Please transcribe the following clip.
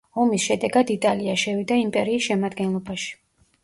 ომის შედეგად იტალია შევიდა იმპერიის შემადგენლობაში.